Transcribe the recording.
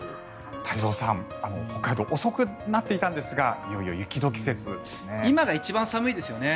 太蔵さん、北海道遅くなっていたんですがいよいよ雪の季節ですね。